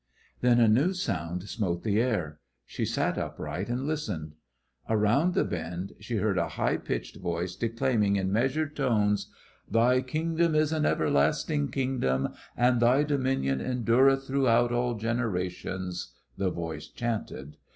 Then a new sound smote the air. She sat upright and listened. Around the bend she heard a high pitched voice declaiming in measured tones. "'Thy kingdom is an everlasting kingdom, and Thy dominion endureth throughout all generations,'" the voice chanted.